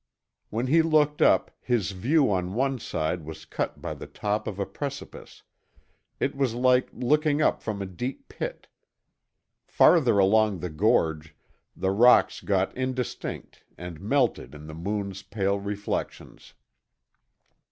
When he looked up, his view on one side was cut by the top of a precipice; it was like looking up from a deep pit. Farther along the gorge, the rocks got indistinct and melted in the moon's pale reflections.